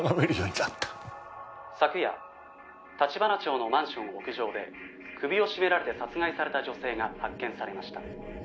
「昨夜橘町のマンション屋上で首を絞められて殺害された女性が発見されました」